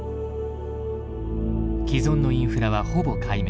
既存のインフラはほぼ壊滅。